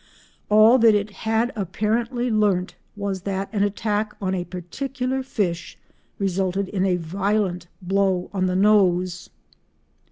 All that it had apparently learnt was that an attack on a particular fish resulted in a violent blow on the nose.